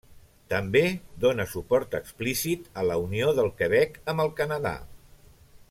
També dóna suport explícit a la unió del Quebec amb el Canadà.